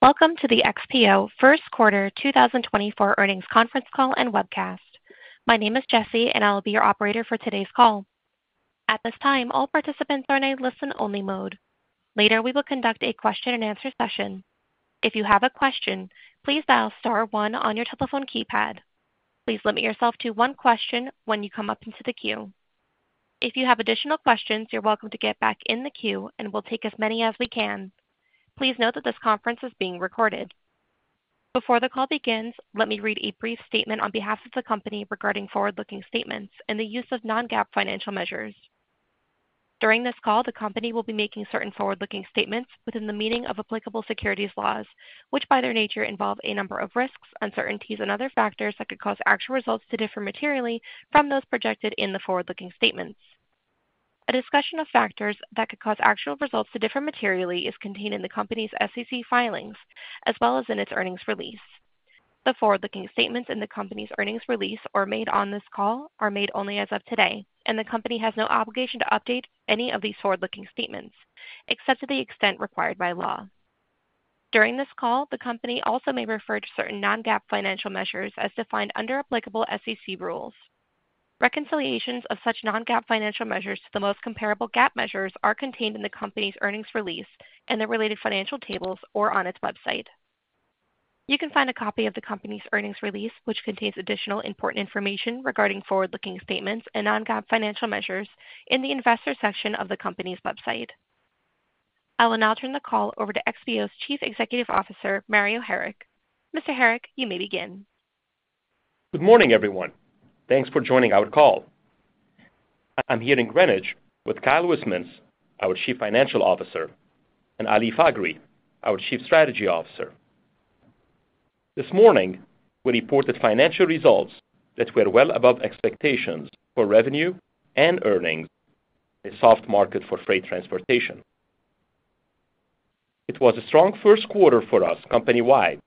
Welcome to the XPO First Quarter 2024 Earnings Conference Call and Webcast. My name is Jesse, and I will be your operator for today's call. At this time, all participants are in a listen-only mode. Later, we will conduct a question-and-answer session. If you have a question, please dial star one on your telephone keypad. Please limit yourself to one question when you come up into the queue. If you have additional questions, you're welcome to get back in the queue, and we'll take as many as we can. Please note that this conference is being recorded. Before the call begins, let me read a brief statement on behalf of the company regarding forward-looking statements and the use of non-GAAP financial measures. During this call, the company will be making certain forward-looking statements within the meaning of applicable securities laws, which, by their nature, involve a number of risks, uncertainties, and other factors that could cause actual results to differ materially from those projected in the forward-looking statements. A discussion of factors that could cause actual results to differ materially is contained in the company's SEC filings as well as in its earnings release. The forward-looking statements in the company's earnings release or made on this call are made only as of today, and the company has no obligation to update any of these forward-looking statements, except to the extent required by law. During this call, the company also may refer to certain non-GAAP financial measures as defined under applicable SEC rules. Reconciliations of such non-GAAP financial measures to the most comparable GAAP measures are contained in the company's earnings release and the related financial tables or on its website. You can find a copy of the company's earnings release, which contains additional important information regarding forward-looking statements and non-GAAP financial measures, in the investor section of the company's website. I will now turn the call over to XPO's Chief Executive Officer, Mario Harik. Mr. Harik, you may begin. Good morning, everyone. Thanks for joining our call. I'm here in Greenwich with Kyle Wismans, our Chief Financial Officer, and Ali Faghri, our Chief Strategy Officer. This morning, we reported financial results that were well above expectations for revenue and earnings, a soft market for freight transportation. It was a strong first quarter for us company-wide,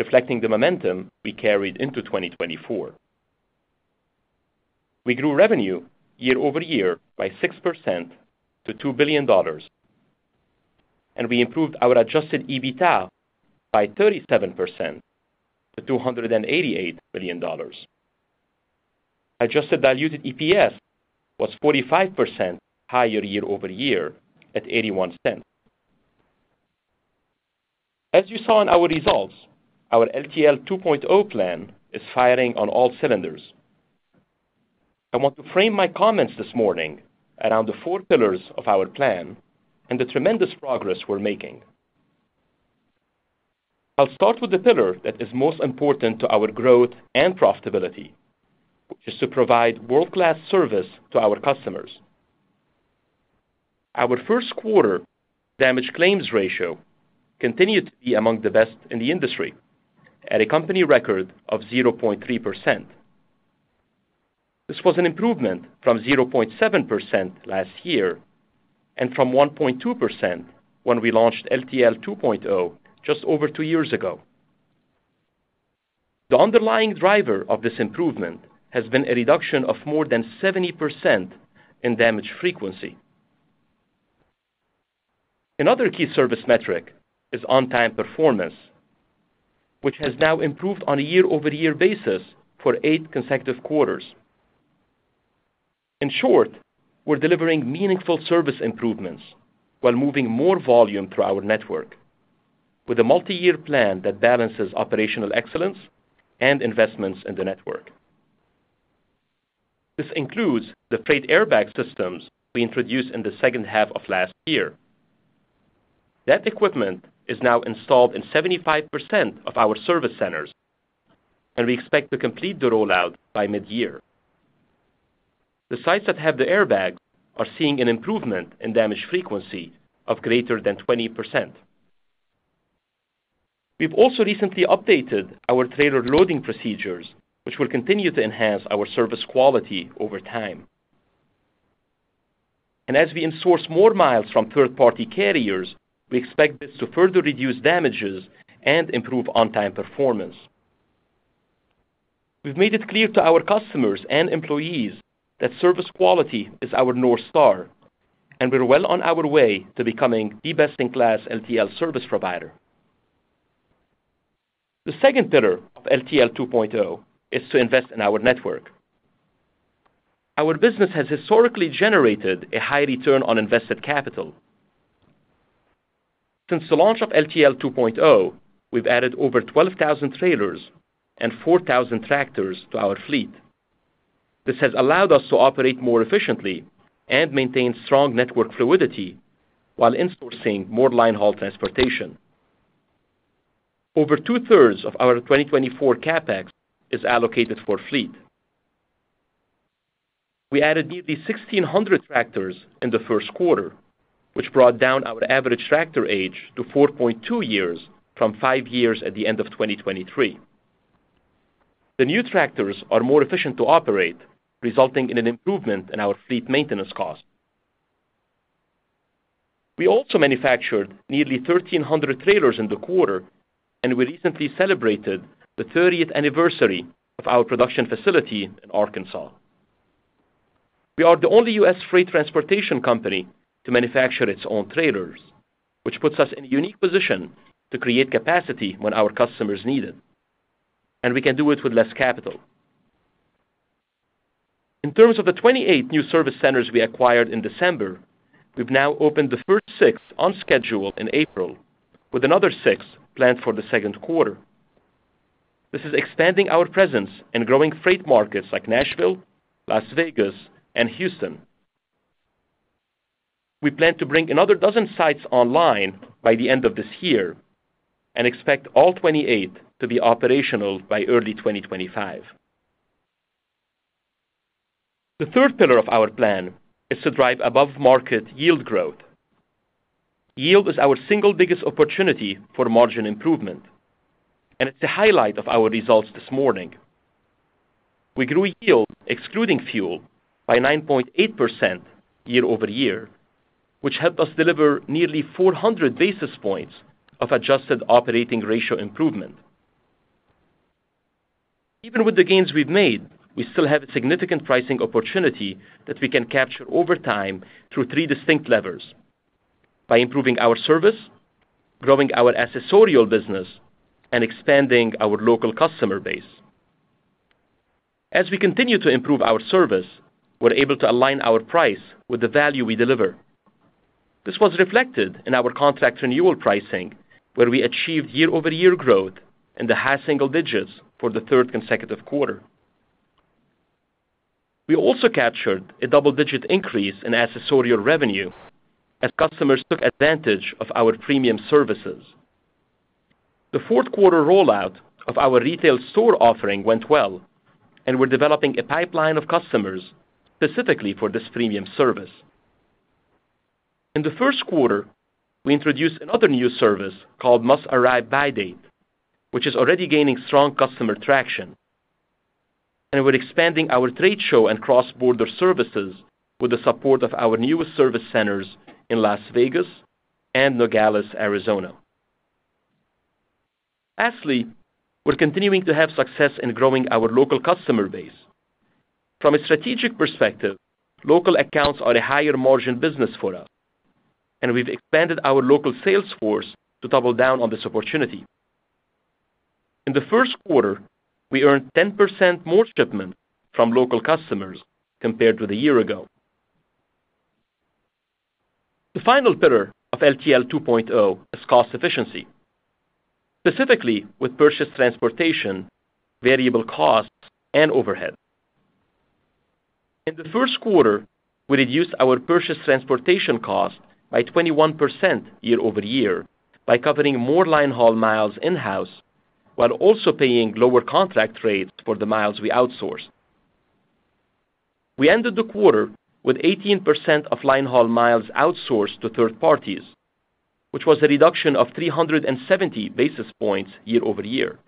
reflecting the momentum we carried into 2024. We grew revenue year-over-year by 6% to $2 billion, and we improved our adjusted EBITDA by 37% to $288 million. Adjusted diluted EPS was 45% higher year-over-year at $0.81. As you saw in our results, our LTL 2.0 plan is firing on all cylinders. I want to frame my comments this morning around the four pillars of our plan and the tremendous progress we're making. I'll start with the pillar that is most important to our growth and profitability, which is to provide world-class service to our customers. Our first quarter damage claims ratio continued to be among the best in the industry at a company record of 0.3%. This was an improvement from 0.7% last year and from 1.2% when we launched LTL 2.0 just over two years ago. The underlying driver of this improvement has been a reduction of more than 70% in damage frequency. Another key service metric is on-time performance, which has now improved on a year-over-year basis for eight consecutive quarters. In short, we're delivering meaningful service improvements while moving more volume through our network, with a multi-year plan that balances operational excellence and investments in the network. This includes the freight airbag systems we introduced in the second half of last year. That equipment is now installed in 75% of our service centers, and we expect to complete the rollout by mid-year. The sites that have the airbag are seeing an improvement in damage frequency of greater than 20%. We've also recently updated our trailer loading procedures, which will continue to enhance our service quality over time. As we insource more miles from third-party carriers, we expect this to further reduce damages and improve on-time performance. We've made it clear to our customers and employees that service quality is our North Star, and we're well on our way to becoming the best-in-class LTL service provider. The second pillar of LTL 2.0 is to invest in our network. Our business has historically generated a high return on invested capital. Since the launch of LTL 2.0, we've added over 12,000 trailers and 4,000 tractors to our fleet. This has allowed us to operate more efficiently and maintain strong network fluidity while insourcing more line haul transportation. Over 2/3 of our 2024 CapEx is allocated for fleet. We added nearly 1,600 tractors in the first quarter, which brought down our average tractor age to 4.2 years from 5 years at the end of 2023. The new tractors are more efficient to operate, resulting in an improvement in our fleet maintenance costs. We also manufactured nearly 1,300 trailers in the quarter, and we recently celebrated the 30th anniversary of our production facility in Arkansas. We are the only U.S. freight transportation company to manufacture its own trailers, which puts us in a unique position to create capacity when our customers need it, and we can do it with less capital. In terms of the 28 new service centers we acquired in December, we've now opened the first 6 on schedule in April, with another 6 planned for the second quarter. This is expanding our presence in growing freight markets like Nashville, Las Vegas, and Houston. We plan to bring another 12 sites online by the end of this year, and expect all 28 to be operational by early 2025. The third pillar of our plan is to drive above-market yield growth. Yield is our single biggest opportunity for margin improvement, and it's a highlight of our results this morning. We grew yield, excluding fuel, by 9.8% year-over-year, which helped us deliver nearly 400 basis points of adjusted operating ratio improvement. Even with the gains we've made, we still have a significant pricing opportunity that we can capture over time through three distinct levers: by improving our service, growing our accessorial business, and expanding our local customer base. As we continue to improve our service, we're able to align our price with the value we deliver. This was reflected in our contract renewal pricing, where we achieved year-over-year growth in the high single digits for the third consecutive quarter. We also captured a double-digit increase in accessorial revenue as customers took advantage of our premium services. The fourth quarter rollout of our retail store offering went well, and we're developing a pipeline of customers specifically for this premium service. In the first quarter, we introduced another new service called Must Arrive By Date, which is already gaining strong customer traction, and we're expanding our trade show and cross-border services with the support of our newest service centers in Las Vegas and Nogales, Arizona. Lastly, we're continuing to have success in growing our local customer base. From a strategic perspective, local accounts are a higher-margin business for us, and we've expanded our local sales force to double down on this opportunity. In the first quarter, we earned 10% more shipments from local customers compared with a year ago. The final pillar of LTL 2.0 is cost efficiency, specifically with purchased transportation, variable costs, and overhead. In the first quarter, we reduced our purchased transportation cost by 21% year-over-year by covering more line haul miles in-house, while also paying lower contract rates for the miles we outsource. We ended the quarter with 18% of line haul miles outsourced to third parties, which was a reduction of 370 basis points year-over-year.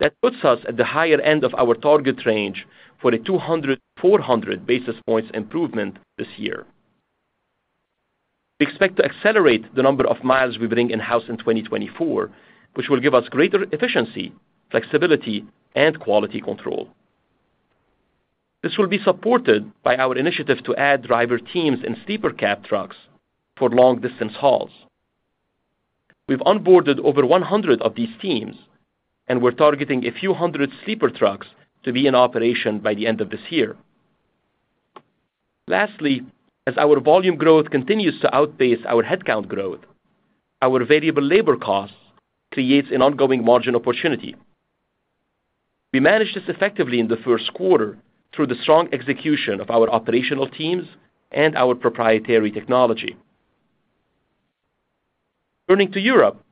That puts us at the higher end of our target range for a 200-400 basis points improvement this year. We expect to accelerate the number of miles we bring in-house in 2024, which will give us greater efficiency, flexibility, and quality control. This will be supported by our initiative to add driver teams and sleeper cab trucks for long-distance hauls. We've onboarded over 100 of these teams, and we're targeting a few hundred sleeper trucks to be in operation by the end of this year. Lastly, as our volume growth continues to outpace our headcount growth, our variable labor costs create an ongoing margin opportunity. We managed this effectively in the first quarter through the strong execution of our operational teams and our proprietary technology. Turning to Europe,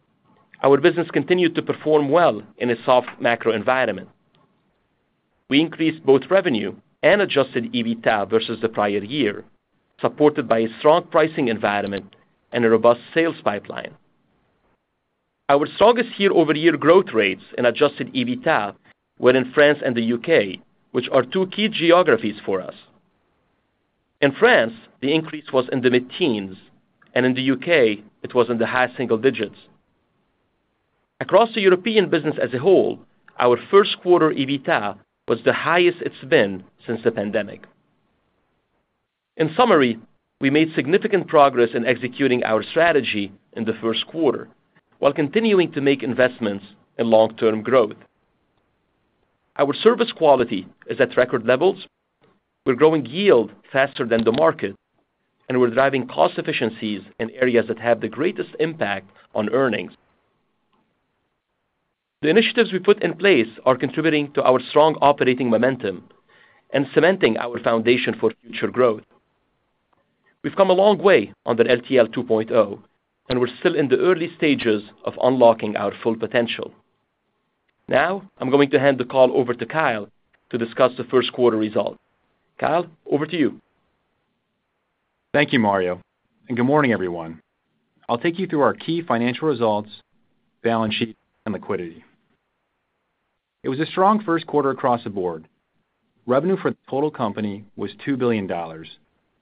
our business continued to perform well in a soft macro environment. We increased both revenue and adjusted EBITDA versus the prior year, supported by a strong pricing environment and a robust sales pipeline. Our strongest year-over-year growth rates in adjusted EBITDA were in France and the U.K., which are two key geographies for us. In France, the increase was in the mid-teens, and in the U.K. it was in the high single digits. Across the European business as a whole, our first quarter EBITDA was the highest it's been since the pandemic. In summary, we made significant progress in executing our strategy in the first quarter, while continuing to make investments in long-term growth. Our service quality is at record levels. We're growing yield faster than the market, and we're driving cost efficiencies in areas that have the greatest impact on earnings. The initiatives we put in place are contributing to our strong operating momentum and cementing our foundation for future growth. We've come a long way under LTL 2.0, and we're still in the early stages of unlocking our full potential. Now, I'm going to hand the call over to Kyle to discuss the first quarter results. Kyle, over to you. Thank you, Mario, and good morning, everyone. I'll take you through our key financial results, balance sheet, and liquidity. It was a strong first quarter across the board. Revenue for the total company was $2 billion,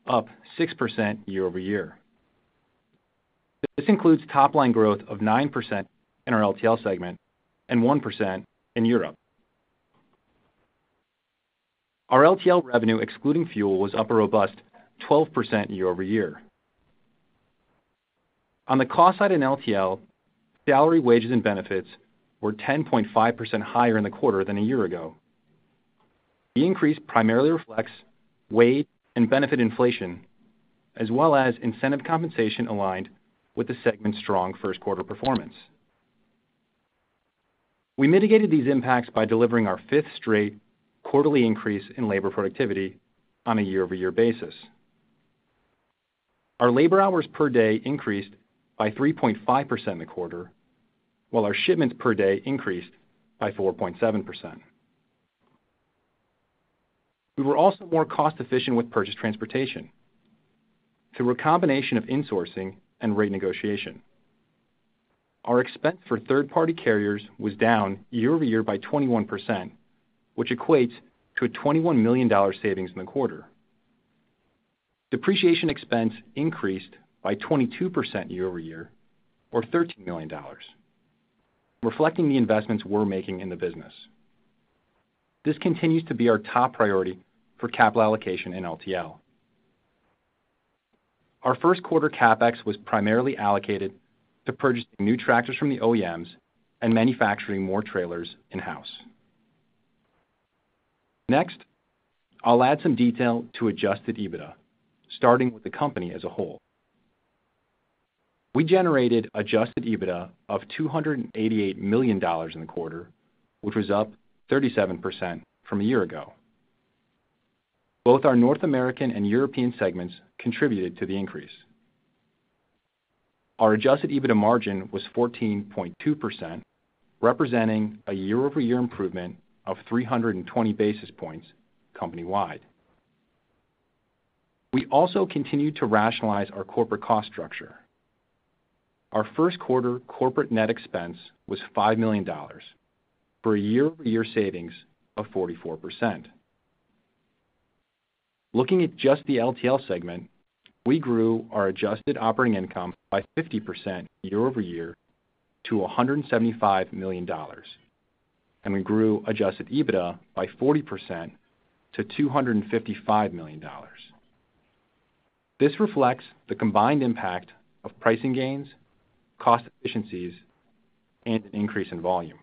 up 6% year-over-year. This includes top line growth of 9% in our LTL segment and 1% in Europe. Our LTL revenue, excluding fuel, was up a robust 12% year-over-year. On the cost side in LTL, salary, wages, and benefits were 10.5% higher in the quarter than a year ago. The increase primarily reflects wage and benefit inflation, as well as incentive compensation aligned with the segment's strong first quarter performance. We mitigated these impacts by delivering our fifth straight quarterly increase in labor productivity on a year-over-year basis. Our labor hours per day increased by 3.5% in the quarter, while our shipments per day increased by 4.7%. We were also more cost-efficient with purchased transportation through a combination of insourcing and rate negotiation. Our expense for third-party carriers was down year-over-year by 21%, which equates to a $21 million savings in the quarter. Depreciation expense increased by 22% year-over-year, or $13 million, reflecting the investments we're making in the business. This continues to be our top priority for capital allocation in LTL. Our first quarter CapEx was primarily allocated to purchasing new tractors from the OEMs and manufacturing more trailers in-house. Next, I'll add some detail to adjusted EBITDA, starting with the company as a whole. We generated adjusted EBITDA of $288 million in the quarter, which was up 37% from a year ago. Both our North American and European segments contributed to the increase. Our adjusted EBITDA margin was 14.2%, representing a year-over-year improvement of 320 basis points company-wide. We also continued to rationalize our corporate cost structure. Our first quarter corporate net expense was $5 million, for a year-over-year savings of 44%. Looking at just the LTL segment, we grew our adjusted operating income by 50% year-over-year to $175 million, and we grew adjusted EBITDA by 40% to $255 million. This reflects the combined impact of pricing gains, cost efficiencies, and an increase in volume.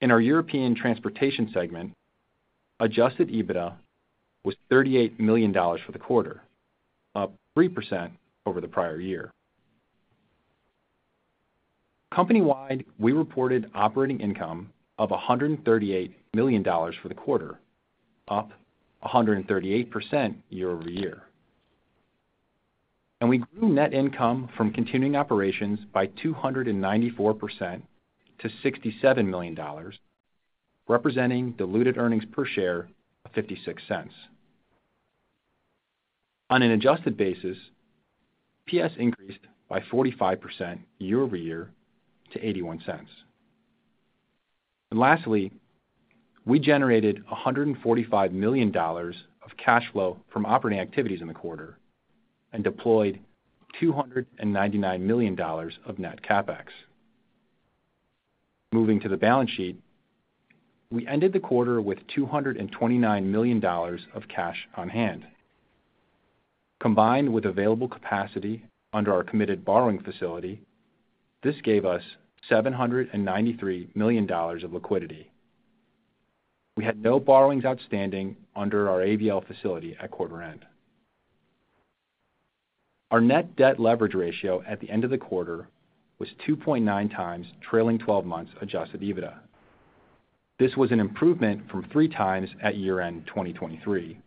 In our European transportation segment, adjusted EBITDA was $38 million for the quarter, up 3% over the prior year. Company-wide, we reported operating income of $138 million for the quarter, up 138% year-over-year. We grew net income from continuing operations by 294% to $67 million, representing diluted earnings per share of $0.56. On an adjusted basis, EPS increased by 45% year-over-year to $0.81. Lastly, we generated $145 million of cash flow from operating activities in the quarter and deployed $299 million of net CapEx. Moving to the balance sheet, we ended the quarter with $229 million of cash on hand. Combined with available capacity under our committed borrowing facility, this gave us $793 million of liquidity. We had no borrowings outstanding under our ABL facility at quarter end. Our net debt leverage ratio at the end of the quarter was 2.9 times, trailing twelve months Adjusted EBITDA. This was an improvement from 3 times at year-end 2023,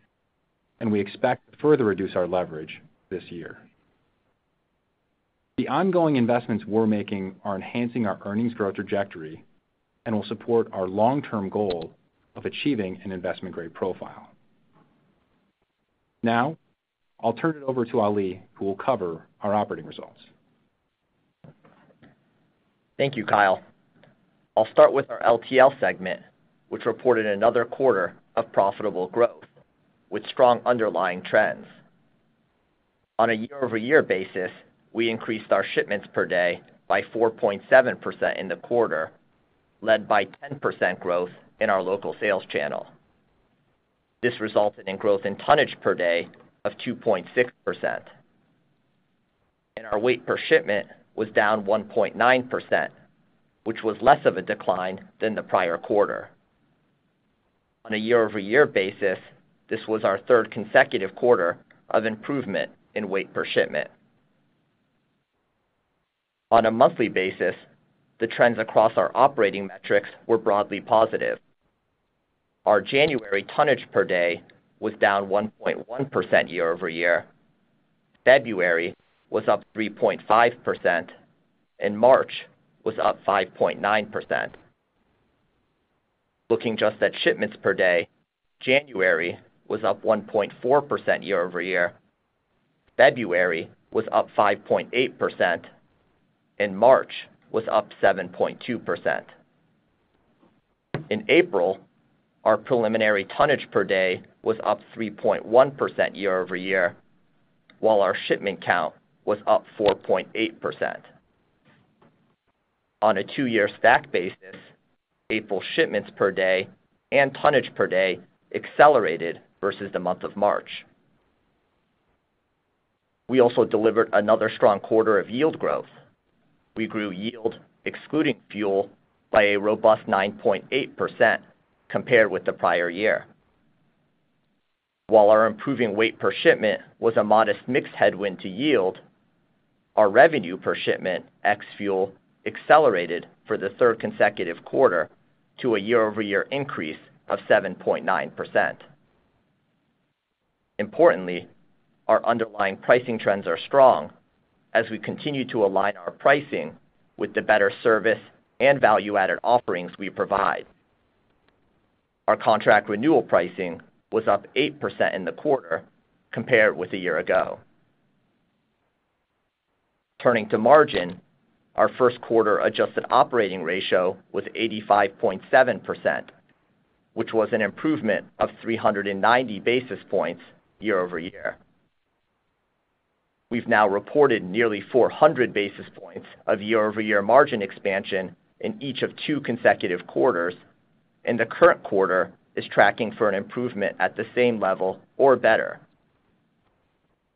and we expect to further reduce our leverage this year. The ongoing investments we're making are enhancing our earnings growth trajectory and will support our long-term goal of achieving an investment-grade profile. Now, I'll turn it over to Ali, who will cover our operating results. Thank you, Kyle. I'll start with our LTL segment, which reported another quarter of profitable growth with strong underlying trends. On a year-over-year basis, we increased our shipments per day by 4.7% in the quarter, led by 10% growth in our local sales channel. This resulted in growth in tonnage per day of 2.6%, and our weight per shipment was down 1.9%, which was less of a decline than the prior quarter. On a year-over-year basis, this was our third consecutive quarter of improvement in weight per shipment. On a monthly basis, the trends across our operating metrics were broadly positive. Our January tonnage per day was down 1.1% year-over-year, February was up 3.5%, and March was up 5.9%. Looking just at shipments per day, January was up 1.4% year-over-year, February was up 5.8%, and March was up 7.2%. In April, our preliminary tonnage per day was up 3.1% year-over-year, while our shipment count was up 4.8%. On a two-year stack basis, April shipments per day and tonnage per day accelerated versus the month of March. We also delivered another strong quarter of yield growth. We grew yield, excluding fuel, by a robust 9.8% compared with the prior year. While our improving weight per shipment was a modest mixed headwind to yield, our revenue per shipment, ex-fuel, accelerated for the third consecutive quarter to a year-over-year increase of 7.9%. Importantly, our underlying pricing trends are strong as we continue to align our pricing with the better service and value-added offerings we provide. Our contract renewal pricing was up 8% in the quarter compared with a year ago. Turning to margin, our first quarter adjusted operating ratio was 85.7%, which was an improvement of 390 basis points year-over-year. We've now reported nearly 400 basis points of year-over-year margin expansion in each of 2 consecutive quarters, and the current quarter is tracking for an improvement at the same level or better.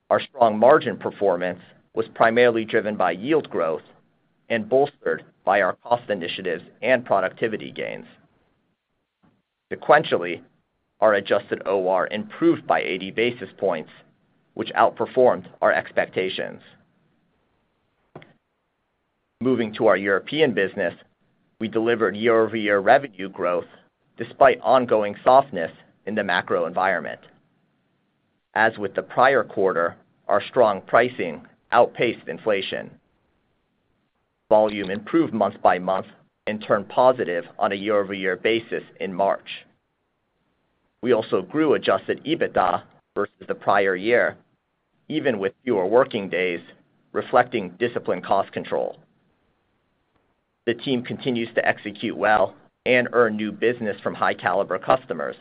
Our strong margin performance was primarily driven by yield growth and bolstered by our cost initiatives and productivity gains. Sequentially, our adjusted OR improved by 80 basis points, which outperformed our expectations. Moving to our European business, we delivered year-over-year revenue growth despite ongoing softness in the macro environment. As with the prior quarter, our strong pricing outpaced inflation. Volume improved month by month and turned positive on a year-over-year basis in March. We also grew Adjusted EBITDA versus the prior year, even with fewer working days, reflecting disciplined cost control. The team continues to execute well and earn new business from high caliber customers.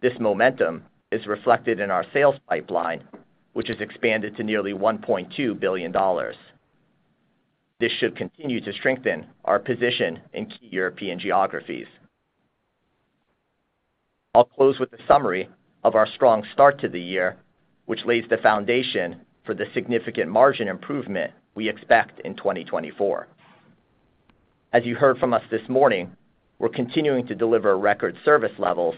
This momentum is reflected in our sales pipeline, which has expanded to nearly $1.2 billion. This should continue to strengthen our position in key European geographies. I'll close with a summary of our strong start to the year, which lays the foundation for the significant margin improvement we expect in 2024. As you heard from us this morning, we're continuing to deliver record service levels,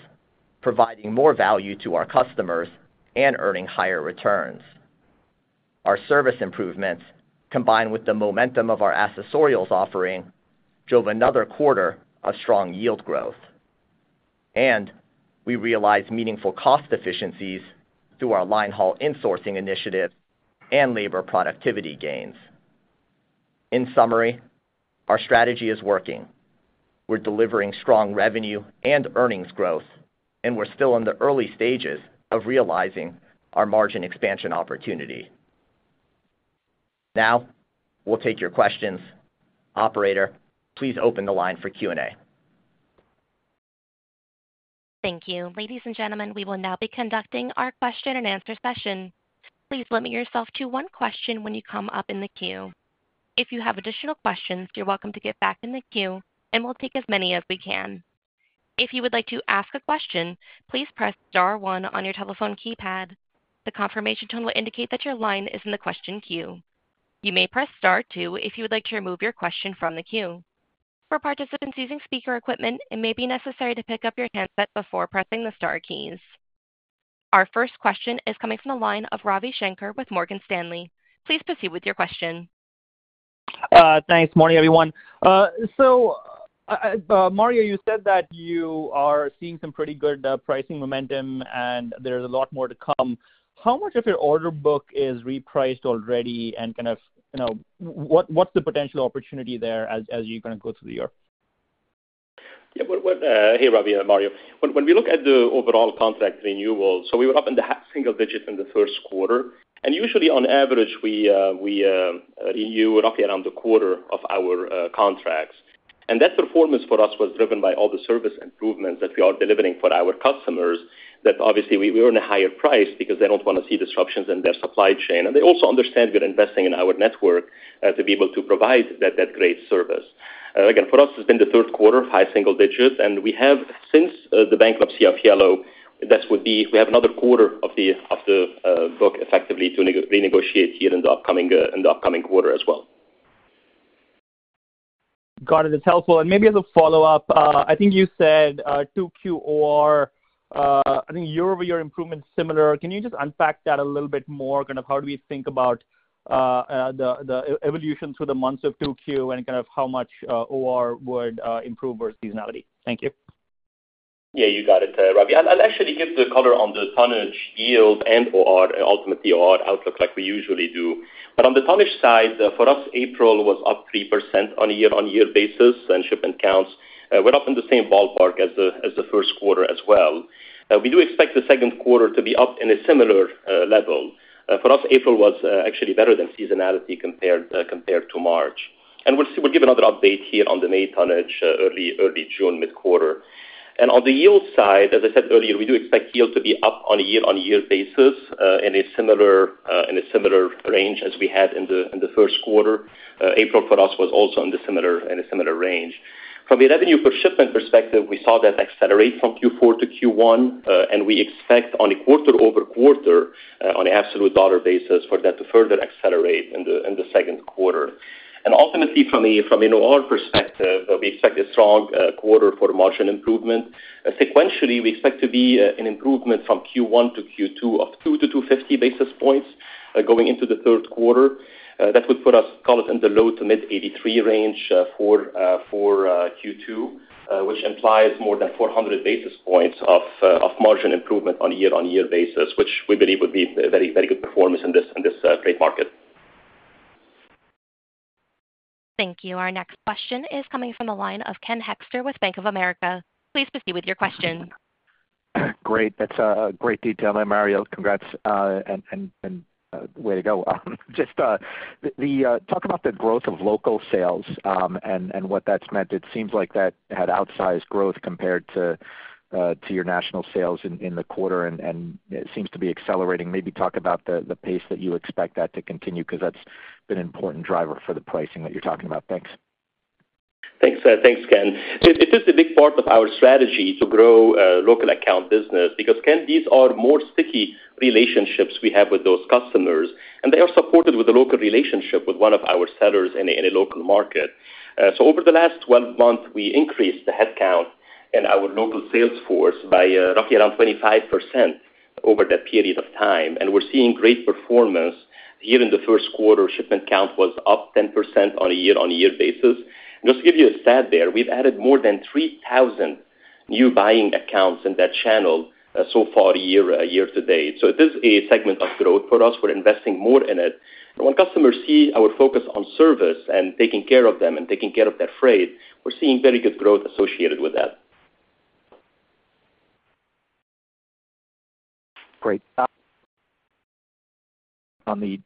providing more value to our customers and earning higher returns. Our service improvements, combined with the momentum of our accessorials offering, drove another quarter of strong yield growth, and we realized meaningful cost efficiencies through our line-haul insourcing initiative and labor productivity gains. In summary, our strategy is working. We're delivering strong revenue and earnings growth, and we're still in the early stages of realizing our margin expansion opportunity. Now, we'll take your questions. Operator, please open the line for Q&A. Thank you. Ladies and gentlemen, we will now be conducting our question-and-answer session. Please limit yourself to one question when you come up in the queue. If you have additional questions, you're welcome to get back in the queue, and we'll take as many as we can. If you would like to ask a question, please press star one on your telephone keypad. The confirmation tone will indicate that your line is in the question queue. You may press star two if you would like to remove your question from the queue. For participants using speaker equipment, it may be necessary to pick up your handset before pressing the star keys. Our first question is coming from the line of Ravi Shanker with Morgan Stanley. Please proceed with your question. Thanks. Morning, everyone. So, Mario, you said that you are seeing some pretty good pricing momentum, and there's a lot more to come. How much of your order book is repriced already and kind of, you know, what, what's the potential opportunity there as you kind of go through the year? Yeah, but what. Hey, Ravi, I'm Mario. When we look at the overall contract renewals, so we were up in the high single digits in the first quarter, and usually, on average, we were up around a quarter of our contracts. And that performance for us was driven by all the service improvements that we are delivering for our customers, that obviously we earn a higher price because they don't want to see disruptions in their supply chain. And they also understand we're investing in our network to be able to provide that great service. Again, for us, it's been the third quarter of high single digits, and we have, since the bankruptcy of Yellow, that would be, we have another quarter of the book effectively to renegotiate here in the upcoming quarter as well. Got it. It's helpful. And maybe as a follow-up, I think you said 2Q OR, I think year-over-year improvement, similar. Can you just unpack that a little bit more? Kind of how do we think about the evolution through the months of 2Q, and kind of how much OR would improve versus seasonality? Thank you. Yeah, you got it, Ravi. I'll actually give the color on the tonnage, yield, and OR, ultimately OR outlook like we usually do. But on the tonnage side, for us, April was up 3% on a year-on-year basis, and shipment counts went up in the same ballpark as the first quarter as well. We do expect the second quarter to be up in a similar level. For us, April was actually better than seasonality compared to March. And we'll see. We'll give another update here on the May tonnage early June, mid-quarter. And on the yield side, as I said earlier, we do expect yield to be up on a year-on-year basis in a similar range as we had in the first quarter. April for us was also in the similar, in a similar range. From the revenue per shipment perspective, we saw that accelerate from Q4 to Q1, and we expect on a quarter-over-quarter, on an absolute dollar basis for that to further accelerate in the, in the second quarter. Ultimately, from a, from an OR perspective, we expect a strong quarter for margin improvement. Sequentially, we expect to be an improvement from Q1 to Q2 of 2-250 basis points, going into the third quarter. That would put us call it in the low to mid-83 range, for Q2, which implies more than 400 basis points of margin improvement on a year-on-year basis, which we believe would be a very, very good performance in this, in this great market. Thank you. Our next question is coming from the line of Ken Hoexter with Bank of America. Please proceed with your question. Great. That's great detail there, Mario. Congrats and way to go. Just the talk about the growth of local sales, and what that's meant. It seems like that had outsized growth compared to your national sales in the quarter, and it seems to be accelerating. Maybe talk about the pace that you expect that to continue, 'cause that's been an important driver for the pricing that you're talking about. Thanks. Thanks. Thanks, Ken. It is a big part of our strategy to grow local account business because, Ken, these are more sticky relationships we have with those customers, and they are supported with a local relationship with one of our sellers in a local market. So over the last 12 months, we increased the headcount in our local sales force by roughly around 25% over that period of time, and we're seeing great performance. Here in the first quarter, shipment count was up 10% on a year-on-year basis. Just to give you a stat there, we've added more than 3,000 new buying accounts in that channel, so far year to date. So it is a segment of growth for us. We're investing more in it. When customers see our focus on service and taking care of them and taking care of their freight, we're seeing very good growth associated with that. Great. On the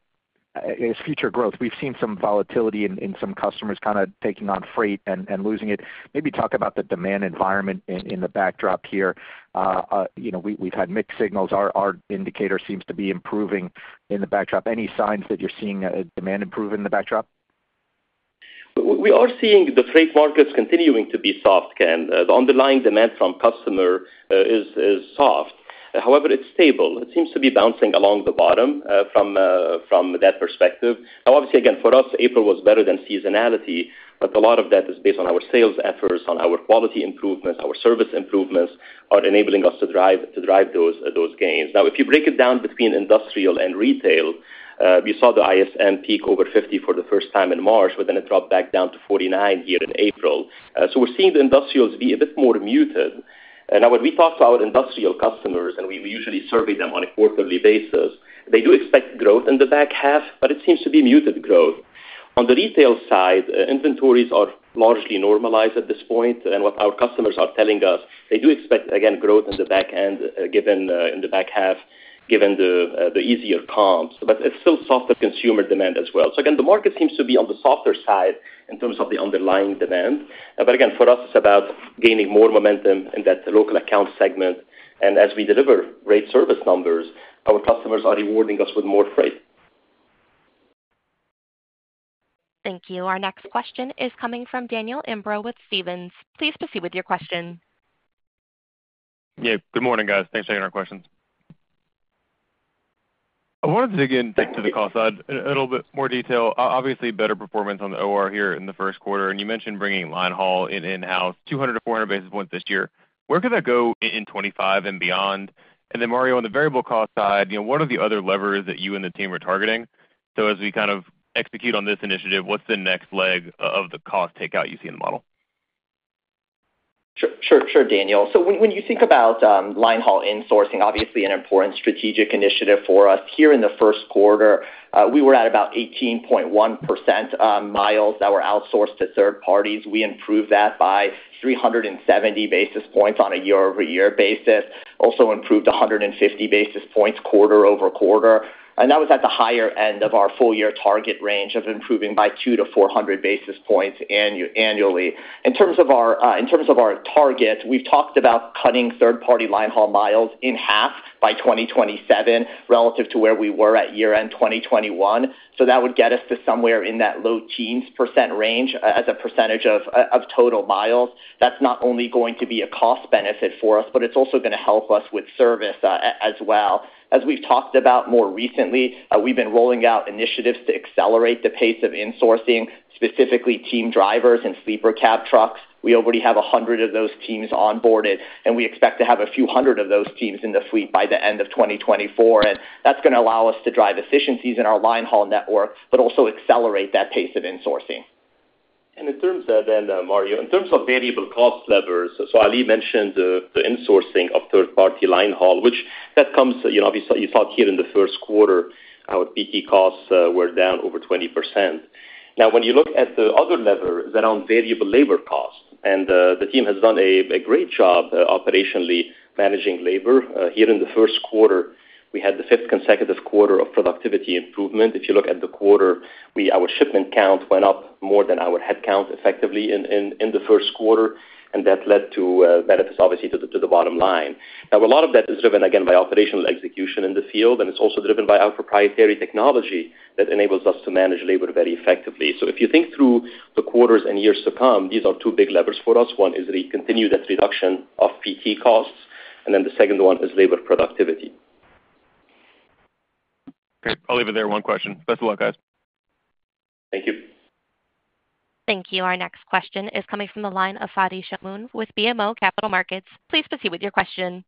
as future growth, we've seen some volatility in some customers kind of taking on freight and losing it. Maybe talk about the demand environment in the backdrop here. You know, we've had mixed signals. Our indicator seems to be improving in the backdrop. Any signs that you're seeing demand improve in the backdrop? We are seeing the freight markets continuing to be soft, Ken. The underlying demand from customer is soft. However, it's stable. It seems to be bouncing along the bottom from that perspective. Now, obviously, again, for us, April was better than seasonality, but a lot of that is based on our sales efforts, on our quality improvements, our service improvements are enabling us to drive those gains. Now, if you break it down between industrial and retail, we saw the ISM peak over 50 for the first time in March, but then it dropped back down to 49 here in April. So we're seeing the industrials be a bit more muted. Now when we talk to our industrial customers, and we usually survey them on a quarterly basis, they do expect growth in the back half, but it seems to be muted growth. On the retail side, inventories are largely normalized at this point, and what our customers are telling us, they do expect, again, growth in the back end, given, in the back half, given the easier comps. It's still softer consumer demand as well. Again, the market seems to be on the softer side in terms of the underlying demand. Again, for us, it's about gaining more momentum in that local account segment, and as we deliver great service numbers, our customers are rewarding us with more freight. Thank you. Our next question is coming from Daniel Imbro with Stephens. Please proceed with your question. Yeah. Good morning, guys. Thanks for taking our questions. I wanted to dig in deep to the cost side in a little bit more detail. Obviously, better performance on the OR here in the first quarter, and you mentioned bringing line haul in-house, 200-400 basis points this year. Where could that go in 2025 and beyond? And then, Mario, on the variable cost side, you know, what are the other levers that you and the team are targeting? So as we kind of execute on this initiative, what's the next leg of the cost takeout you see in the model? Sure, sure, Daniel. So when you think about line haul insourcing, obviously an important strategic initiative for us. Here in the first quarter, we were at about 18.1% miles that were outsourced to third parties. We improved that by 370 basis points on a year-over-year basis, also improved 150 basis points quarter over quarter, and that was at the higher end of our full year target range of improving by 200-400 basis points annually. In terms of our targets, we've talked about cutting third-party line haul miles in half by 2027 relative to where we were at year-end 2021. So that would get us to somewhere in that low teens % range as a percentage of total miles. That's not only going to be a cost benefit for us, but it's also going to help us with service, as well. As we've talked about more recently, we've been rolling out initiatives to accelerate the pace of insourcing, specifically team drivers and sleeper cab trucks. We already have 100 of those teams onboarded, and we expect to have a few hundred of those teams in the fleet by the end of 2024, and that's going to allow us to drive efficiencies in our line haul network, but also accelerate that pace of insourcing. In terms of then, Mario, in terms of variable cost levers, so Ali mentioned the insourcing of third-party line haul, which that comes, you know, obviously, you saw here in the first quarter, our PT costs were down over 20%. Now, when you look at the other levers around variable labor costs, and the team has done a great job operationally managing labor here in the first quarter. We had the 5th consecutive quarter of productivity improvement. If you look at the quarter, we, our shipment count went up more than our head count effectively in the first quarter, and that led to benefits, obviously, to the bottom line. Now, a lot of that is driven, again, by operational execution in the field, and it's also driven by our proprietary technology that enables us to manage labor very effectively. So if you think through the quarters and years to come, these are two big levers for us. One is we continue that reduction of PT costs, and then the second one is labor productivity. Great. I'll leave it there. One question. Best of luck, guys. Thank you. Thank you. Our next question is coming from the line of Fadi Chamoun with BMO Capital Markets. Please proceed with your question.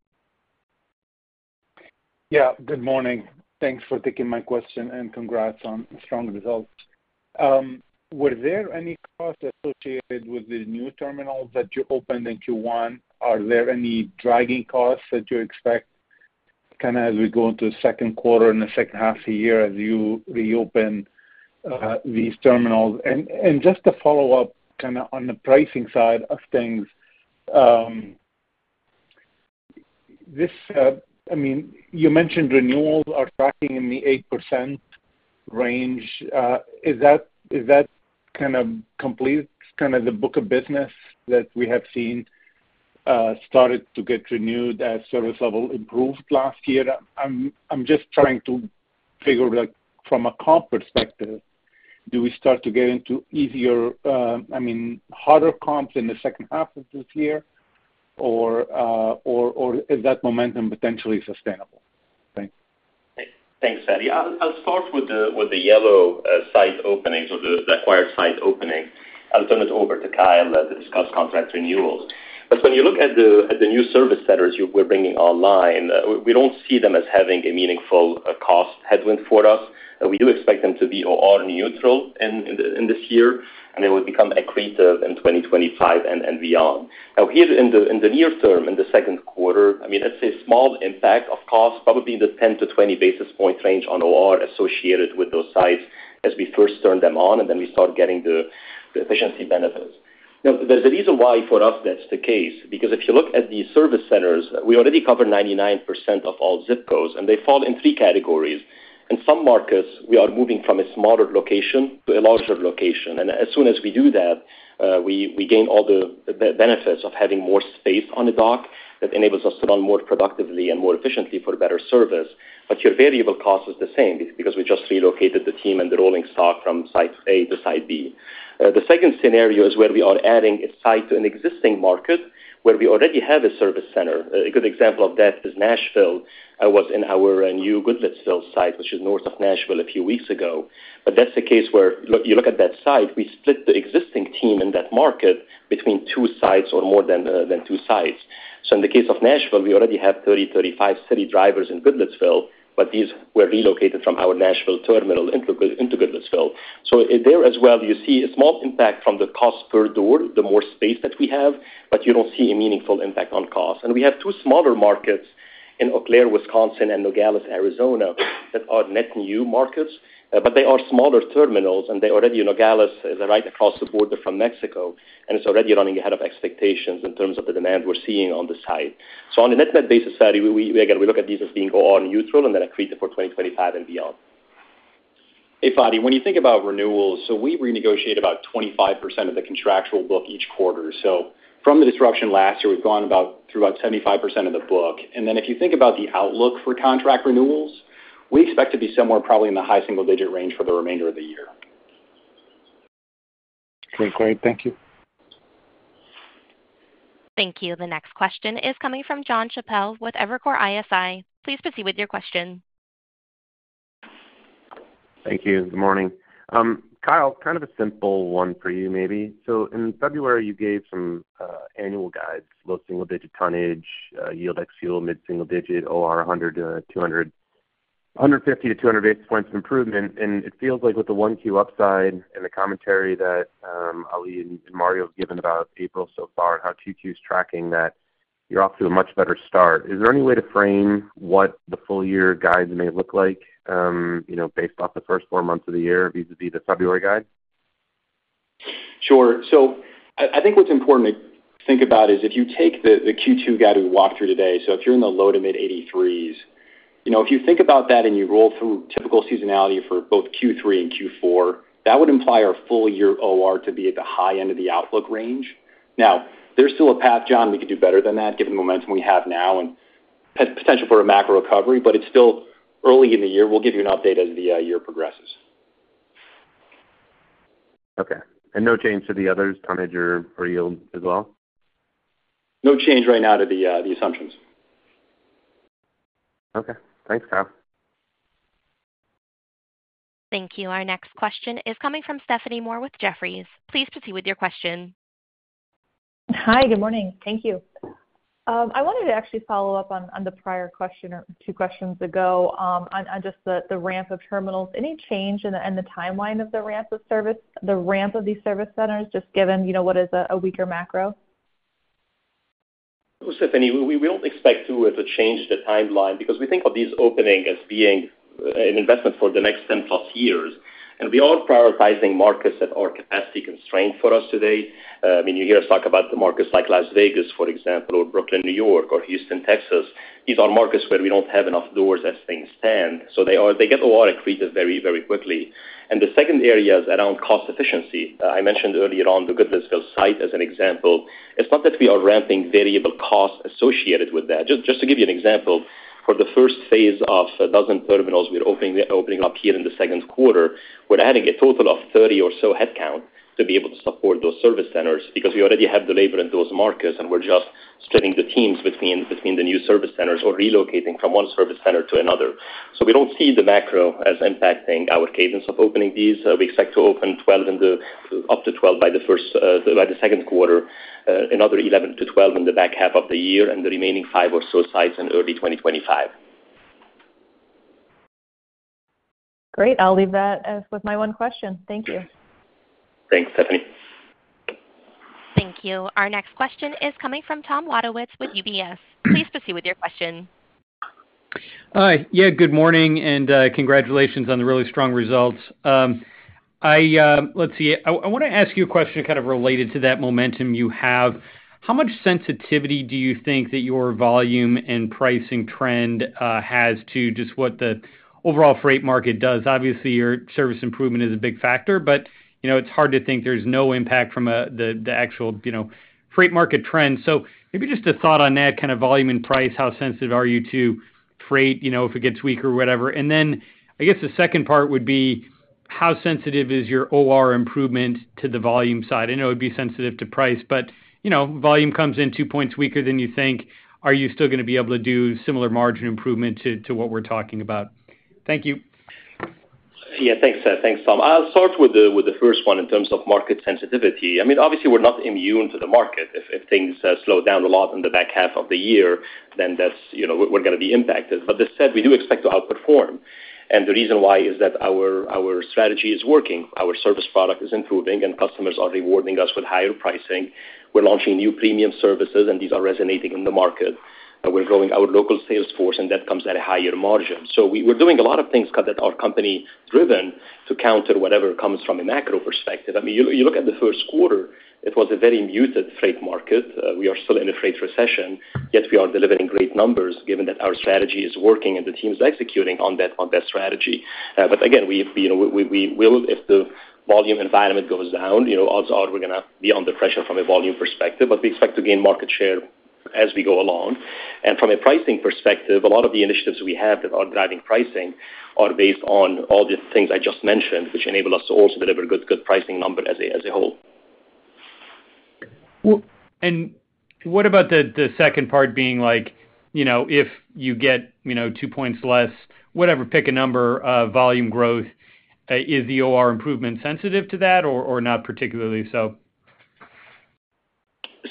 Yeah, good morning. Thanks for taking my question, and congrats on the strong results. Were there any costs associated with the new terminals that you opened in Q1? Are there any dragging costs that you expect, kind of, as we go into the second quarter and the second half of the year as you reopen these terminals? And just to follow up, kind of, on the pricing side of things, this, I mean, you mentioned renewals are tracking in the 8% range. Is that, is that kind of complete, kind of, the book of business that we have seen started to get renewed as service level improved last year? I'm just trying to figure, like, from a comp perspective, do we start to get into easier, I mean, harder comps in the second half of this year, or is that momentum potentially sustainable? Thanks. Thanks, Fadi. I'll start with the yellow site openings or the acquired site opening. I'll turn it over to Kyle to discuss contract renewals. But when you look at the new service centers we're bringing online, we don't see them as having a meaningful cost headwind for us. We do expect them to be OR neutral in this year, and they will become accretive in 2025 and beyond. Now, here in the near term, in the second quarter, I mean, it's a small impact of cost, probably in the 10-20 basis point range on OR associated with those sites as we first turn them on, and then we start getting the efficiency benefits. Now, there's a reason why, for us, that's the case, because if you look at these service centers, we already cover 99% of all ZIP codes, and they fall in three categories. In some markets, we are moving from a smaller location to a larger location, and as soon as we do that, we gain all the benefits of having more space on the dock. That enables us to run more productively and more efficiently for better service. But your variable cost is the same because we just relocated the team and the rolling stock from site A to site B. The second scenario is where we are adding a site to an existing market where we already have a service center. A good example of that is Nashville. I was in our new Goodlettsville site, which is north of Nashville, a few weeks ago. But that's the case where, look, you look at that site. We split the existing team in that market between two sites or more than two sites. So in the case of Nashville, we already have 30-35 city drivers in Goodlettsville, but these were relocated from our Nashville terminal into Goodlettsville. So there as well, you see a small impact from the cost per door, the more space that we have, but you don't see a meaningful impact on cost. And we have 2 smaller markets in Eau Claire, Wisconsin, and Nogales, Arizona, that are net new markets, but they are smaller terminals, and they already... Nogales is right across the border from Mexico, and it's already running ahead of expectations in terms of the demand we're seeing on the site. So on a net-net basis, Fadi, we, again, we look at these as being OR neutral and then accretive for 2025 and beyond. Hey, Fadi, when you think about renewals, so we renegotiate about 25% of the contractual book each quarter. So from the disruption last year, we've gone about, through about 75% of the book. And then if you think about the outlook for contract renewals, we expect to be somewhere probably in the high single-digit range for the remainder of the year. Okay, great. Thank you. Thank you. The next question is coming from Jon Chappell with Evercore ISI. Please proceed with your question. Thank you. Good morning. Kyle, kind of a simple one for you maybe. So in February, you gave some annual guides, low single-digit tonnage, yield ex fuel, mid single digit, OR 100-200-150-200 basis points improvement. And it feels like with the 1Q upside and the commentary that Ali and Mario have given about April so far and how 2Q's tracking that you're off to a much better start. Is there any way to frame what the full-year guides may look like, you know, based off the first four months of the year, vis-a-vis the February guide? Sure. So I think what's important to think about is if you take the Q2 guide we walked through today, so if you're in the low- to mid-83s, you know, if you think about that and you roll through typical seasonality for both Q3 and Q4, that would imply our full year OR to be at the high end of the outlook range. Now, there's still a path, John, we could do better than that, given the momentum we have now and potential for a macro recovery, but it's still early in the year. We'll give you an update as the year progresses. Okay. And no change to the others, tonnage or yield as well? No change right now to the assumptions. Okay. Thanks, Kyle. Thank you. Our next question is coming from Stephanie Moore with Jefferies. Please proceed with your question. Hi, good morning. Thank you. I wanted to actually follow up on the prior question or two questions ago, on just the ramp of terminals. Any change in the timeline of the ramp of service centers, just given, you know, what is a weaker macro? Stephanie, we don't expect to change the timeline because we think of these openings as being an investment for the next 10+ years. We are prioritizing markets that are capacity constrained for us today. I mean, you hear us talk about the markets like Las Vegas, for example, or Brooklyn, New York, or Houston, Texas. These are markets where we don't have enough doors as things stand, so they are. They get a lot of increases very, very quickly. The second area is around cost efficiency. I mentioned earlier on the Goodlettsville site as an example. It's not that we are ramping variable costs associated with that. Just to give you an example, for the first phase of a dozen terminals we're opening up here in the second quarter, we're adding a total of 30 or so headcount to be able to support those service centers because we already have the labor in those markets, and we're just splitting the teams between the new service centers or relocating from one service center to another. So we don't see the macro as impacting our cadence of opening these. We expect to open up to 12 by the second quarter, another 11-12 in the back half of the year, and the remaining 5 or so sites in early 2025. Great. I'll leave that as with my one question. Thank you. Thanks, Stephanie. Thank you. Our next question is coming from Tom Wadewitz with UBS. Please proceed with your question. Hi. Yeah, good morning, and, congratulations on the really strong results. I want to ask you a question kind of related to that momentum you have. How much sensitivity do you think that your volume and pricing trend has to just what the overall freight market does? Obviously, your service improvement is a big factor, but, you know, it's hard to think there's no impact from, the, the actual, you know, freight market trend. So maybe just a thought on that, kind of, volume and price. How sensitive are you to freight, you know, if it gets weaker or whatever? And then, I guess the second part would be: How sensitive is your OR improvement to the volume side? I know it'd be sensitive to price, but, you know, volume comes in 2 points weaker than you think, are you still going to be able to do similar margin improvement to, to what we're talking about? Thank you. Yeah, thanks, thanks, Tom. I'll start with the first one in terms of market sensitivity. I mean, obviously, we're not immune to the market. If things slow down a lot in the back half of the year, then that's, you know, we're going to be impacted. But this said, we do expect to outperform. And the reason why is that our strategy is working. Our service product is improving, and customers are rewarding us with higher pricing. We're launching new premium services, and these are resonating in the market. We're growing our local sales force, and that comes at a higher margin. So we're doing a lot of things that are company-driven to counter whatever comes from a macro perspective. I mean, you look at the first quarter, it was a very muted freight market. We are still in a freight recession, yet we are delivering great numbers given that our strategy is working and the team's executing on that, on that strategy. But again, we, you know, we, we will, if the volume environment goes down, you know, odds are we're going to be under pressure from a volume perspective, but we expect to gain market share as we go along. And from a pricing perspective, a lot of the initiatives we have that are driving pricing are based on all the things I just mentioned, which enable us to also deliver a good, good pricing number as a, as a whole. Well, and what about the second part being like, you know, if you get, you know, two points less, whatever, pick a number, volume growth, is the OR improvement sensitive to that or not particularly so?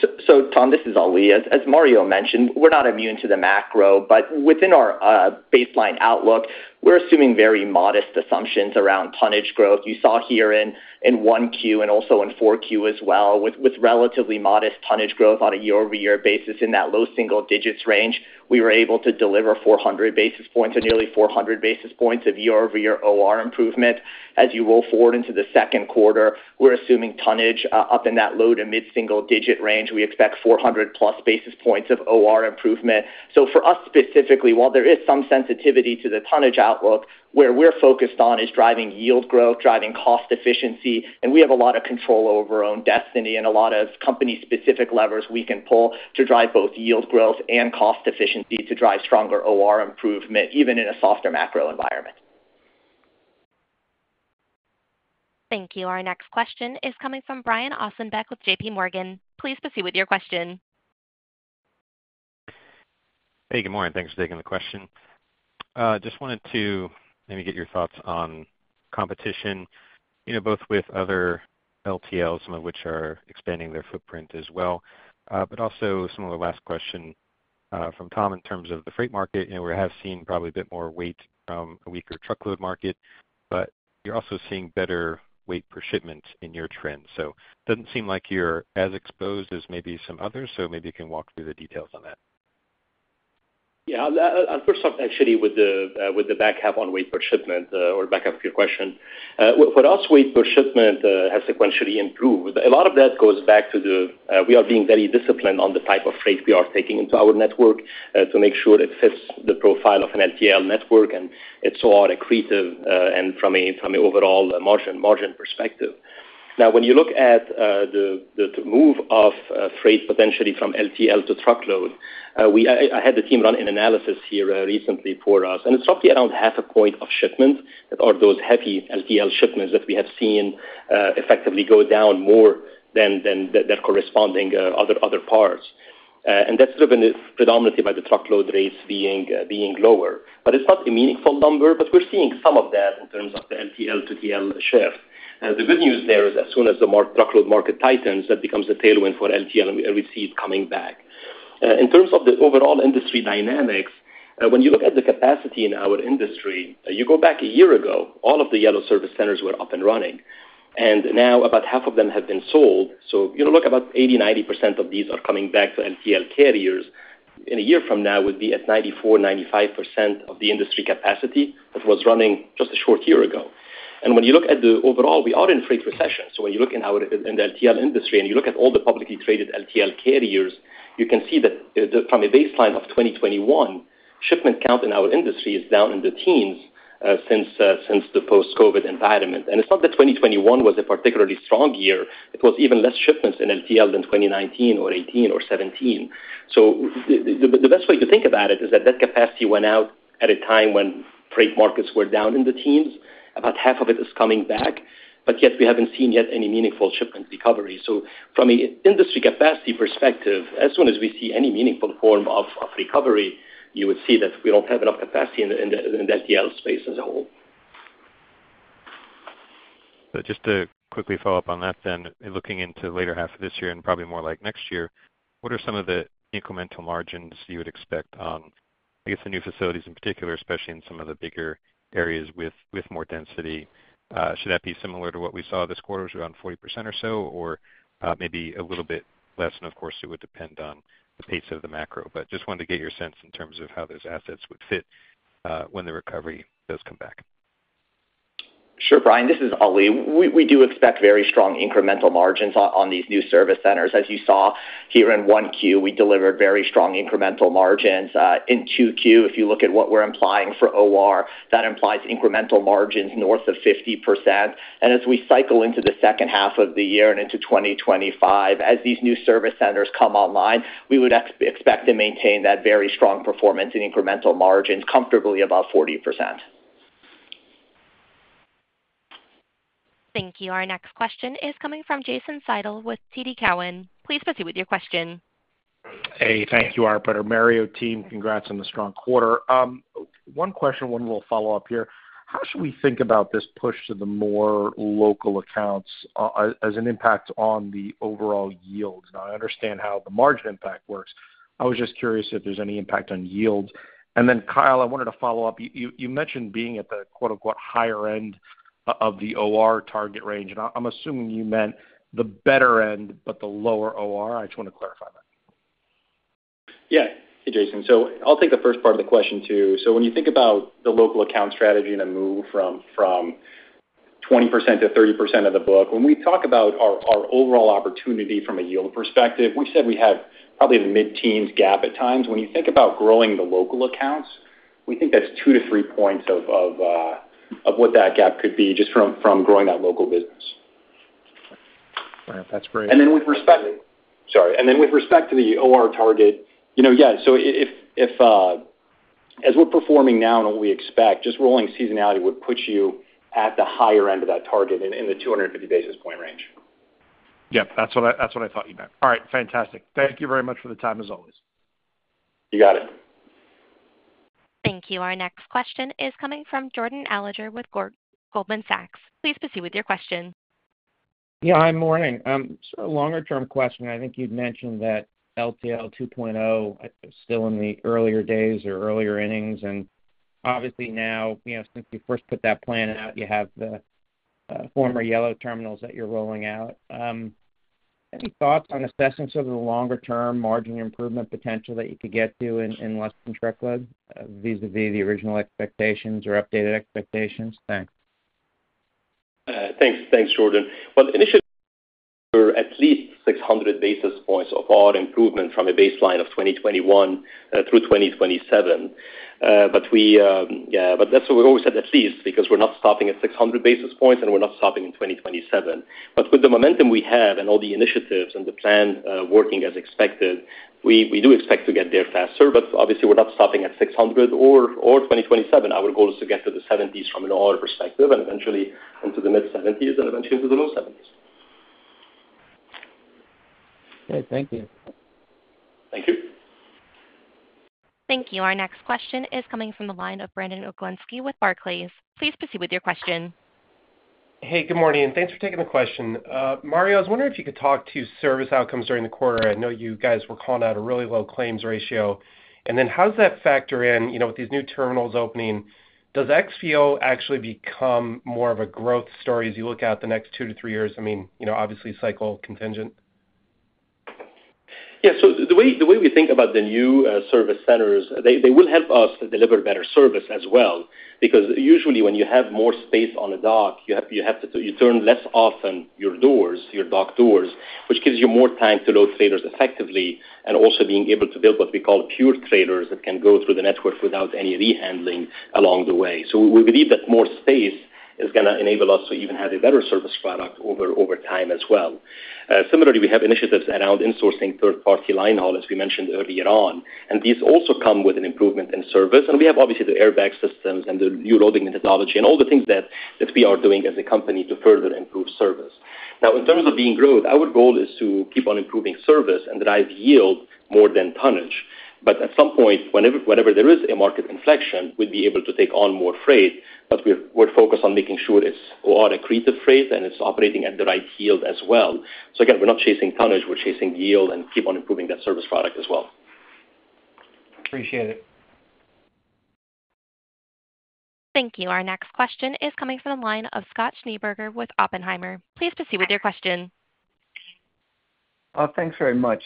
So, so Tom, this is Ali. As, as Mario mentioned, we're not immune to the macro, but within our baseline outlook, we're assuming very modest assumptions around tonnage growth. You saw here in 1Q and also in 4Q as well, with relatively modest tonnage growth on a year-over-year basis in that low single digits range, we were able to deliver 400 basis points or nearly 400 basis points of year-over-year OR improvement. As you roll forward into the second quarter, we're assuming tonnage up in that low to mid-single digit range. We expect 400+ basis points of OR improvement. So for us, specifically, while there is some sensitivity to the tonnage outlook, where we're focused on is driving yield growth, driving cost efficiency, and we have a lot of control over our own destiny and a lot of company-specific levers we can pull to drive both yield growth and cost efficiency to drive stronger OR improvement, even in a softer macro environment. Thank you. Our next question is coming from Brian Ossenbeck with J.P. Morgan. Please proceed with your question. Hey, good morning. Thanks for taking the question. Just wanted to maybe get your thoughts on competition, you know, both with other LTLs, some of which are expanding their footprint as well, but also some of the last question from Tom in terms of the freight market. You know, we have seen probably a bit more weight from a weaker truckload market, but you're also seeing better weight per shipment in your trend. So doesn't seem like you're as exposed as maybe some others, so maybe you can walk through the details on that. Yeah. I'll first start actually with the back half on weight per shipment, or back half of your question. For us, weight per shipment has sequentially improved. A lot of that goes back to the we are being very disciplined on the type of freight we are taking into our network, to make sure it fits the profile of an LTL network, and it's all accretive, and from a, from an overall margin, margin perspective. Now, when you look at the move of freight potentially from LTL to truckload, I had the team run an analysis here recently for us, and it's roughly around half a point of shipment that are those heavy LTL shipments that we have seen effectively go down more than the corresponding other parts. And that's driven predominantly by the truckload rates being lower. But it's not a meaningful number, but we're seeing some of that in terms of the LTL to TL shift. The good news there is as soon as the truckload market tightens, that becomes a tailwind for LTL, and we see it coming back. In terms of the overall industry dynamics, when you look at the capacity in our industry, you go back a year ago, all of the Yellow service centers were up and running, and now about half of them have been sold. So, you know, look, about 80%-90% of these are coming back to LTL carriers. In a year from now, would be at 94%-95% of the industry capacity that was running just a short year ago. And when you look at the overall, we are in freight recession. So when you look in the LTL industry, and you look at all the publicly traded LTL carriers, you can see that, from a baseline of 2021, shipment count in our industry is down in the teens, since the post-COVID environment. It's not that 2021 was a particularly strong year. It was even less shipments in LTL than 2019 or 2018 or 2017. So, the best way to think about it is that that capacity went out at a time when freight markets were down in the teens. About half of it is coming back, but yet we haven't seen yet any meaningful shipment recovery. So from an industry capacity perspective, as soon as we see any meaningful form of recovery, you would see that we don't have enough capacity in the LTL space as a whole. So just to quickly follow up on that then, in looking into the later half of this year and probably more like next year, what are some of the incremental margins you would expect on, I guess, the new facilities in particular, especially in some of the bigger areas with more density? Should that be similar to what we saw this quarter, which was around 40% or so, or maybe a little bit less, and of course, it would depend on the pace of the macro. But just wanted to get your sense in terms of how those assets would fit, when the recovery does come back. Sure, Brian, this is Ali. We, we do expect very strong incremental margins on, on these new service centers. As you saw here in Q1, we delivered very strong incremental margins. In Q2, if you look at what we're implying for OR, that implies incremental margins north of 50%. And as we cycle into the second half of the year and into 2025, as these new service centers come online, we would expect to maintain that very strong performance in incremental margins, comfortably above 40%. Thank you. Our next question is coming from Jason Seidl with TD Cowen. Please proceed with your question. Hey, thank you, operator. Mario team, congrats on the strong quarter. One question, one little follow-up here. How should we think about this push to the more local accounts, as an impact on the overall yield? Now, I understand how the margin impact works. I was just curious if there's any impact on yield. And then, Kyle, I wanted to follow up. You mentioned being at the quote, unquote, "higher end" of the OR target range, and I'm assuming you meant the better end, but the lower OR. I just want to clarify that. Yeah. Hey, Jason. So I'll take the first part of the question, too. So when you think about the local account strategy and a move from 20% to 30% of the book, when we talk about our overall opportunity from a yield perspective, we said we had probably the mid-teens gap at times. When you think about growing the local accounts, we think that's 2-3 points of what that gap could be just from growing that local business. All right. That's great. And then with respect to the OR target, you know, yeah, so if, as we're performing now and what we expect, just rolling seasonality would put you at the higher end of that target, in the 250 basis point range. Yeah, that's what I, that's what I thought you meant. All right. Fantastic. Thank you very much for the time, as always. You got it. Thank you. Our next question is coming from Jordan Alliger with Goldman Sachs. Please proceed with your question. Yeah, hi. Morning. So a longer term question. I think you'd mentioned that LTL 2.0 is still in the earlier days or earlier innings, and obviously now, you know, since you first put that plan out, you have the former Yellow terminals that you're rolling out. Any thoughts on assessments of the longer term margin improvement potential that you could get to in less-than-truckload vis-à-vis the original expectations or updated expectations? Thanks. Thanks, Jordan. Well, initially, for at least 600 basis points of our improvement from a baseline of 2021 through 2027. But we, yeah, but that's what we've always said, at least, because we're not stopping at 600 basis points, and we're not stopping in 2027. But with the momentum we have and all the initiatives and the plan working as expected, we do expect to get there faster, but obviously we're not stopping at 600 or 2027. Our goal is to get to the 70s from an OR perspective, and eventually into the mid-70s and eventually into the low 70s. Okay. Thank you. Thank you. Thank you. Our next question is coming from the line of Brandon Oglenski with Barclays. Please proceed with your question. Hey, good morning, and thanks for taking the question. Mario, I was wondering if you could talk to service outcomes during the quarter. I know you guys were calling out a really low claims ratio. And then how does that factor in, you know, with these new terminals opening? Does XPO actually become more of a growth story as you look out the next two to three years? I mean, you know, obviously, cycle contingent. Yeah, so the way we think about the new service centers, they will help us deliver better service as well, because usually when you have more space on a dock, you have to turn less often your doors, your dock doors, which gives you more time to load trailers effectively, and also being able to build what we call pure trailers that can go through the network without any rehandling along the way. So we believe that more space is going to enable us to even have a better service product over time as well. Similarly, we have initiatives around insourcing third-party line haul, as we mentioned earlier on, and these also come with an improvement in service. We have, obviously, the airbag systems and the new loading methodology and all the things that, that we are doing as a company to further improve service. Now, in terms of growth, our goal is to keep on improving service and derive yield more than tonnage. But at some point, whenever, whenever there is a market inflection, we'll be able to take on more freight, but we're, we're focused on making sure it's OR accretive freight, and it's operating at the right yield as well. Again, we're not chasing tonnage, we're chasing yield and keep on improving that service product as well. Appreciate it. Thank you. Our next question is coming from the line of Scott Schneeberger with Oppenheimer. Please proceed with your question. Thanks very much.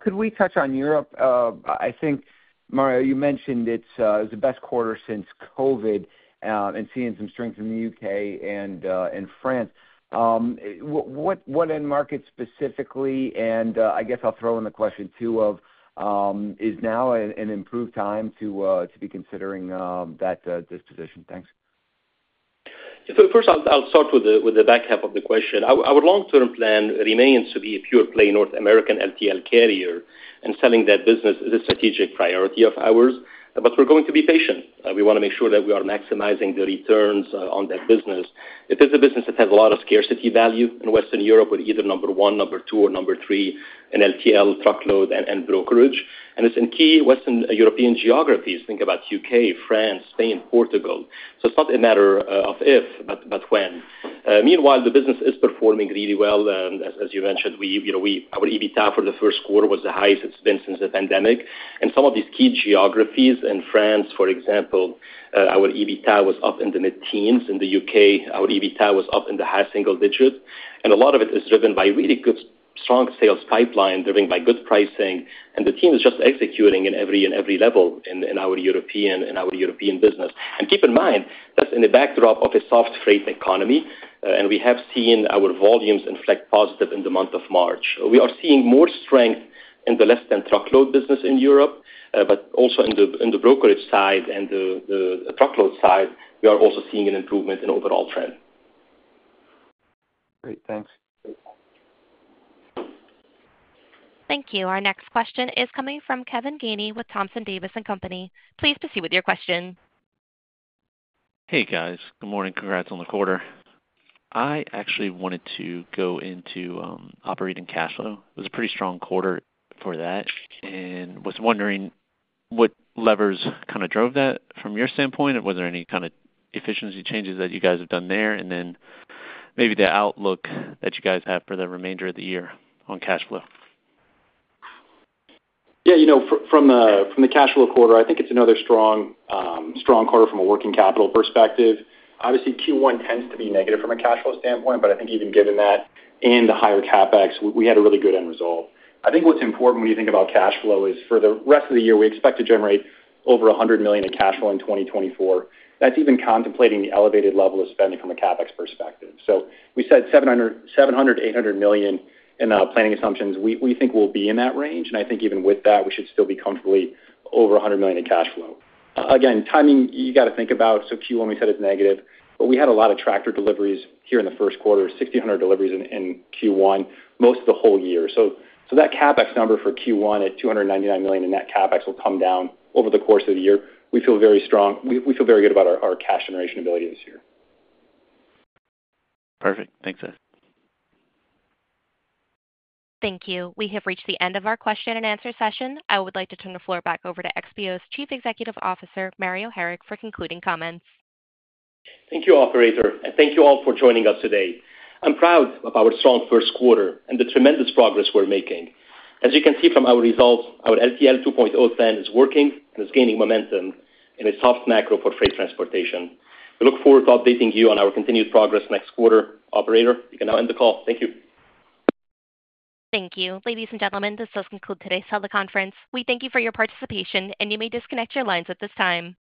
Could we touch on Europe? I think, Mario, you mentioned it's the best quarter since COVID, and seeing some strength in the U.K. and in France. What end market specifically, and I guess I'll throw in the question, too, of, is now an improved time to be considering that disposition? Thanks. So first, I'll start with the back half of the question. Our long-term plan remains to be a pure play North American LTL carrier, and selling that business is a strategic priority of ours, but we're going to be patient. We want to make sure that we are maximizing the returns on that business. It is a business that has a lot of scarcity value in Western Europe, with either number one, number two, or number three in LTL, truckload, and brokerage. And it's in key Western European geographies. Think about U.K., France, Spain, Portugal. So it's not a matter of if, but when. Meanwhile, the business is performing really well. As you mentioned, you know, our EBITDA for the first quarter was the highest it's been since the pandemic. And some of these key geographies in France, for example, our EBITDA was up in the mid-teens. In the U.K., our EBITDA was up in the high single digits. And a lot of it is driven by really good, strong sales pipeline, driven by good pricing, and the team is just executing at every level in our European business. And keep in mind, that's in the backdrop of a soft freight economy, and we have seen our volumes inflect positive in the month of March. We are seeing more strength in the less-than-truckload business in Europe, but also in the brokerage side and the truckload side, we are also seeing an improvement in overall trend. Great. Thanks. Great. Thank you. Our next question is coming from Kevin Gainey with Thompson Davis & Company. Please proceed with your question. Hey, guys. Good morning. Congrats on the quarter. I actually wanted to go into operating cash flow. It was a pretty strong quarter for that, and was wondering what levers kind of drove that from your standpoint? And were there any kind of efficiency changes that you guys have done there? And then maybe the outlook that you guys have for the remainder of the year on cash flow. Yeah, you know, from the cash flow quarter, I think it's another strong, strong quarter from a working capital perspective. Obviously, Q1 tends to be negative from a cash flow standpoint, but I think even given that and the higher CapEx, we had a really good end result. I think what's important when you think about cash flow is for the rest of the year, we expect to generate over $100 million in cash flow in 2024. That's even contemplating the elevated level of spending from a CapEx perspective. So we said $700-$800 million in planning assumptions. We think we'll be in that range, and I think even with that, we should still be comfortably over $100 million in cash flow. Again, timing, you gotta think about, so Q1 we said is negative, but we had a lot of tractor deliveries here in the first quarter, 1,600 deliveries in Q1, most of the whole year. So that CapEx number for Q1 at $299 million in net CapEx will come down over the course of the year. We feel very strong. We feel very good about our cash generation ability this year. Perfect. Thanks, guys. Thank you. We have reached the end of our question-and-answer session. I would like to turn the floor back over to XPO's Chief Executive Officer, Mario Harik, for concluding comments. Thank you, operator, and thank you all for joining us today. I'm proud of our strong first quarter and the tremendous progress we're making. As you can see from our results, our LTL 2.0 plan is working and is gaining momentum in a soft macro for freight transportation. We look forward to updating you on our continued progress next quarter. Operator, you can now end the call. Thank you. Thank you. Ladies and gentlemen, this does conclude today's teleconference. We thank you for your participation, and you may disconnect your lines at this time.